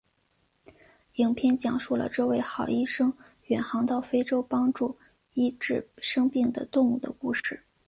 影片讲述了这位好医生远航到非洲帮助医治生病的动物的故事。